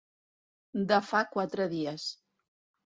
De fa quatre dies.